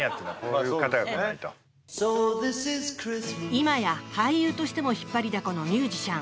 今や俳優としても引っ張りだこのミュージシャン